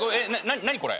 何これ？